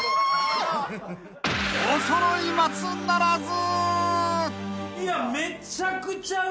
［おそろい松ならず］